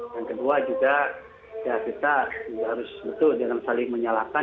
yang kedua juga ya kita juga harus betul dengan saling menyalahkan